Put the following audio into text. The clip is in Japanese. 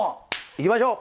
行きましょう！